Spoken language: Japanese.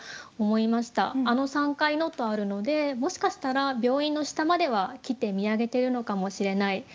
「あの三階の」とあるのでもしかしたら病院の下までは来て見上げているのかもしれない。